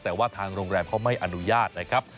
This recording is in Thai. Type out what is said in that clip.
แต่ว่าทางโรงแรมเขาไม่อนุญาตนะครับ